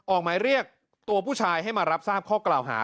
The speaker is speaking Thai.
ออกหมายเรียกตัวผู้ชายให้มารับทราบข้อกล่าวหา